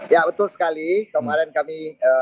ya betul sekali kemarin kami